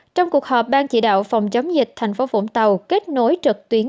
trong cuộc họp ban chỉ đạo phòng chống dịch tp vũng tàu kết nối trực tuyến